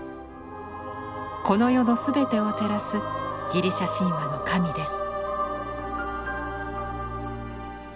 この世のすべてを照らすギリシャ神話の神です。